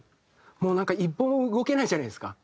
もうなんか一歩も動けないじゃないですか。